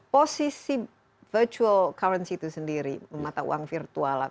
posisi virtual currency itu sendiri mata uang virtual